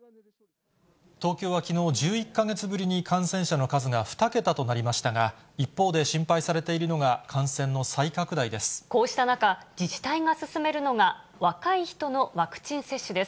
東京はきのう、１１か月ぶりに感染者の数が２桁となりましたが、一方で心配されているのが、こうした中、自治体が進めるのが若い人のワクチン接種です。